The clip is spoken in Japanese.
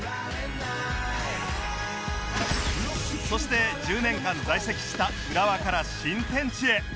そして１０年間在籍した浦和から新天地へ